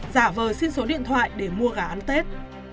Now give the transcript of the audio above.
giả vờ xin số điện thoại để mua gà ăn tết